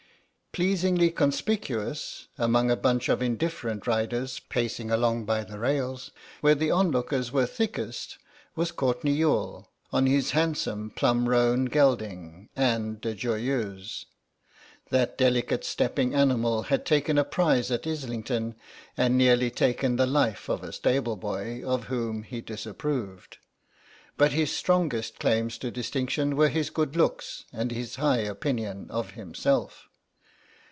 Pleasingly conspicuous among a bunch of indifferent riders pacing along by the rails where the onlookers were thickest was Courtenay Youghal, on his handsome plum roan gelding Anne de Joyeuse. That delicately stepping animal had taken a prize at Islington and nearly taken the life of a stable boy of whom he disapproved, but his strongest claims to distinction were his good looks and his high opinion of himself.